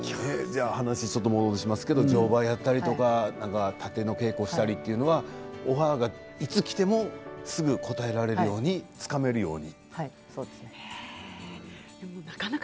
話を戻しますけど乗馬をやったり殺陣の稽古をしたりというのはオファーがいつきてもすぐ応えられるようにそうですね。